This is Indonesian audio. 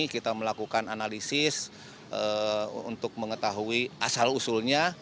kita melakukan analisis untuk mengetahui asal usulnya